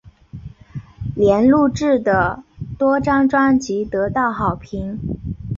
莲录制的多张专辑得到好评。